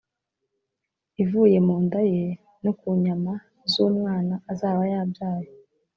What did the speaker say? ivuye mu nda ye no ku nyama z’umwana azaba yabyaye,